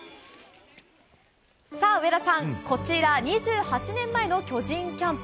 上田さん、こちら２８年前の巨人キャンプ。